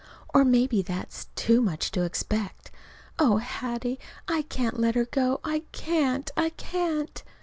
Or, maybe that is too much to expect. Oh, Hattie, I can't let her go I can't, I can't!"